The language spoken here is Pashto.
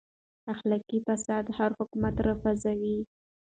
اخلاقي فساد هر حکومت راپرځوي.